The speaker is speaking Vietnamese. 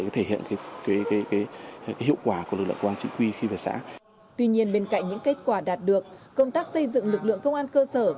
tuy nhiên bên cạnh những kết quả đạt được công tác xây dựng lực lượng công an cơ sở